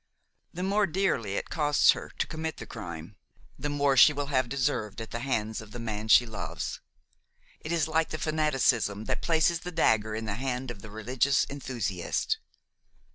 The more dearly it costs her to commit the crime, the more she will have deserved at the hands of the man she loves. It is like the fanaticism that places the dagger in the hand of the religious enthusiast.